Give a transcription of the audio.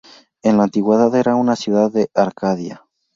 En la Antigüedad era una ciudad de Arcadia.